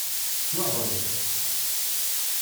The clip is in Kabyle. Swaɣent-tt.